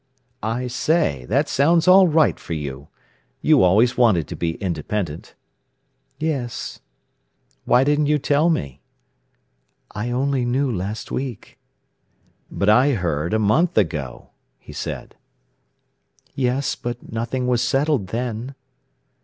"I say—that sounds all right for you! You always wanted to be independent." "Yes. "Why didn't you tell me?" "I only knew last week." "But I heard a month ago," he said. "Yes; but nothing was settled then."